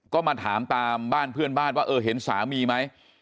ก็มาถามตามบ้านเพื่อนบ้านว่าเออเห็นสามีไหม